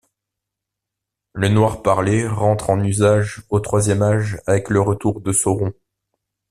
Le noir parler rentre en usage au Troisième Âge avec le retour de Sauron.